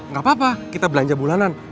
nggak apa apa kita belanja bulanan